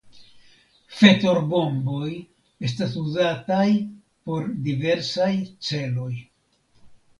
Fetorbomboj estas uzataj por diversaj celoj.